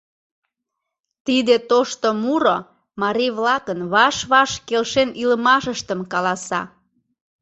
Тиде тошто муро марий-влакын ваш-ваш келшен илымашыштым каласа.